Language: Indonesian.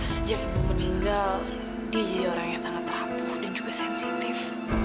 sejak meninggal dia jadi orang yang sangat rapuh dan juga sensitif